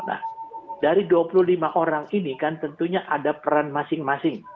nah dari dua puluh lima orang ini kan tentunya ada peran masing masing